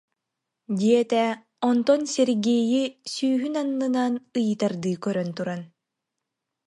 диэтэ, онтон Сергейи сүүһүн аннынан ыйытардыы көрөн туран: